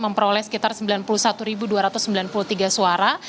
memperoleh sekitar sembilan puluh satu dua ratus sembilan puluh tiga suara